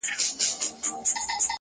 غل په غره کي نه ځائېږي.